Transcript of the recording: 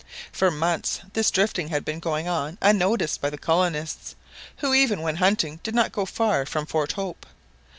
For months this drifting had been going on unnoticed by the colonists, who even when hunting did not go far from Fort Hope.